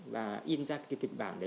và in ra kịch bản